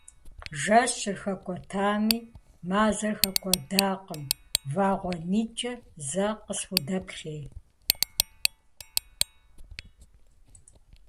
Жэщыр хэкӀуэтами, мазэр хэкӀуэдакъым, вагъуэ нитӀкӀэ зэ къысхудэплъей.